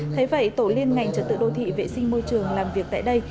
thế vậy tổ liên ngành trật tự đô thị vệ sinh môi trường làm việc tại đây